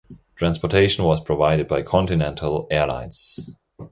Transportation was provided by Continental Airlines.